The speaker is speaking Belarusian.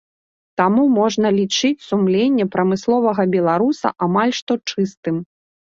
Таму можна лічыць сумленне прамысловага беларуса амаль што чыстым.